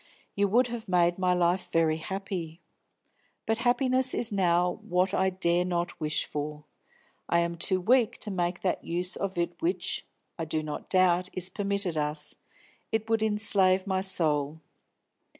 You would have made my life very happy. But happiness is now what I dare not wish for. I am too weak to make that use of it which, I do not doubt, is permitted us; it would enslave my soul.